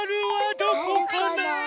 どこかなあ？